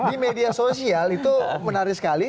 di media sosial itu menarik sekali